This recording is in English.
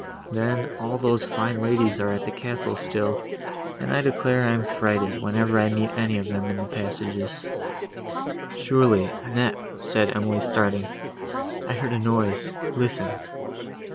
Then, all those fine ladies are at the castle still; and I declare I am frighted, whenever I meet any of them in the passages—" "Surely, Annette," said Emily starting, "I heard a noise: listen."